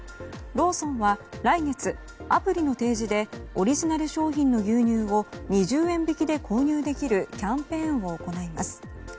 ローソンは来月アプリの提示でオリジナル商品の牛乳を２０円引きで購入できるキャンペーンを行います。